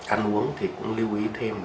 ăn uống thì cũng lưu ý thêm